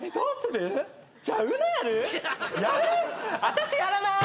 私やらなーい！